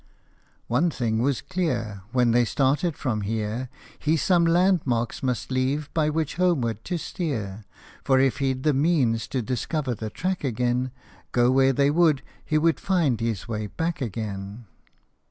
One thing was clear : When they started from here He some landmarks must leave by which homeward to steer ; For if he 'd the means to discover the track again, Go where they would, he could find his way back again